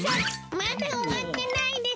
まだ終わっていないです。